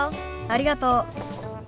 ありがとう。